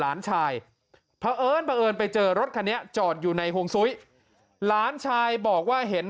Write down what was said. หลานชายเผอิญไปเจอรถคันนี้จอดอยู่ในห่วงซุ้ยหลานชายบอกว่าเห็น